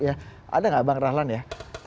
ada nggak bang rahlan ya